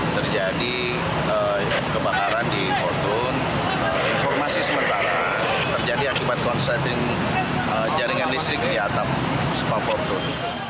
terjadi kebakaran di fortune informasi sementara terjadi akibat konsleting jaringan listrik di atap spafortun